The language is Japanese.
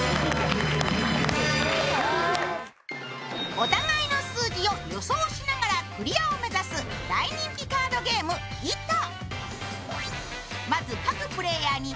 お互いの数字を予想しながらクリアを目指す大人気カードゲーム「ｉｔｏ」。